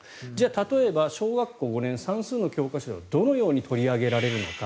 例えば、小学校５年算数の教科書ではどのように取り上げられるのか。